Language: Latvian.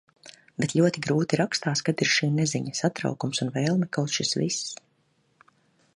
Bet ļoti grūti rakstās, kad ir šī neziņa, satraukums un vēlme kaut šis viss...